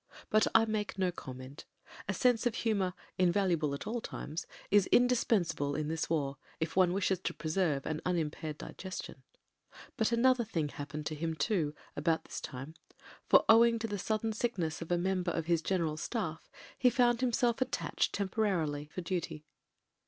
But I make no comment. A sense of humour, invaluable at all times, is indispensable in this war, if one wishes to preserve an unimpaired digestion. But another thing happened to him, too, about this time, for, owing to the sudden sickness of a member of his General's Staff, he found himself attached tern a9i 292 MEN, WOMEN AND GUNS porarily for duty.